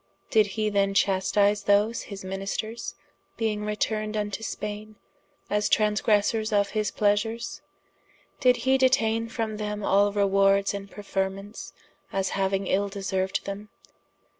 Did he then chastise those his ministers being returned into Spaine, as transgressers of his pleasures? Did hee detaine from them all rewards and preferments, as hauing ill deserued them?